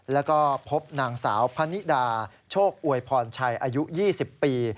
แล้วก็พบนางสาวพะนิดาโชคอวยพรชัยอายุ๒๐ปี